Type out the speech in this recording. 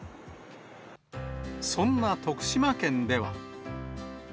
そんな徳島県では。